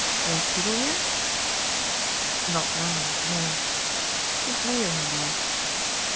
You have people here?" "Not now no. Who's mayor here now?"